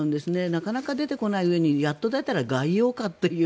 なかなか出てこないうえにやっと出たら概要かと。